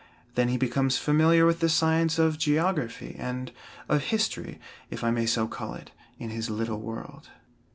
Then he becomes familiar with the science of geography and of history, if I may so call it, in his little world.